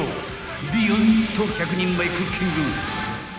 ［ビューンと１００人前クッキング］